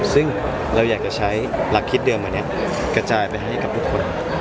ซึ่งเราอยากจะใช้หลักคิดเดิมอันนี้กระจายไปให้กับทุกคน